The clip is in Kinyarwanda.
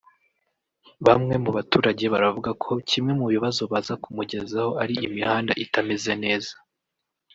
bamwe mu baturage baravuga ko kimwe mu bibazo baza kumugezaho ari imihanda itameze neza